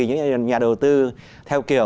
những nhà đầu tư theo kiểu